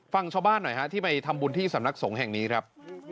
ฟังชาวบ้านหน่อยฮะที่ไปทำบุญที่สำนักสงฆ์แห่งนี้ครับ